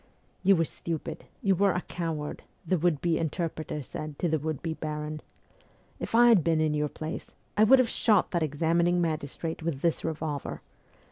' You were stupid, you were a coward,' the would be inter preter said to the would be baron. ' If I had been in your place, I would have shot that examining magis trate with this revolver.